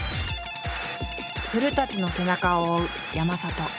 古の背中を追う山里。